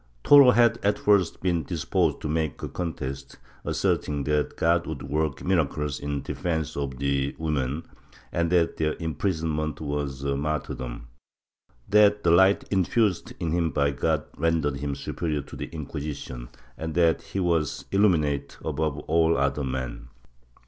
Toro had at first been disposed to make a contest, asserting that God would work miracles in defence of the women, and that their imprisonment was a martyrdom; that the light infused in him by God rendered him superior to the Inquisition, and that he was illuminated above all other men.